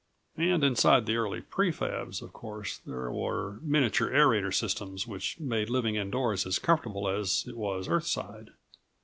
And inside the early pre fabs, of course, there were miniature aerator systems which made living indoors as comfortable as it was Earthside.